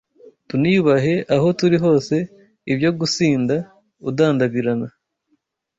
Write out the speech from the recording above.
Tuniyubahe aho turi hose Ibyo gusinda udandabirana